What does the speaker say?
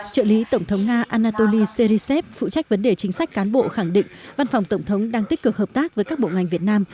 trợ lý tổng thống nga anatoly serisev phụ trách vấn đề chính sách cán bộ khẳng định văn phòng tổng thống đang tích cực hợp tác với các bộ ngành việt nam